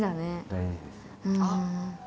大事です。